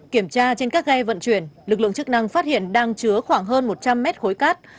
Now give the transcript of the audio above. kiểm tra trên các ghe vận chuyển lực lượng chức năng phát hiện đang chứa khoảng hơn một trăm linh mét khối cát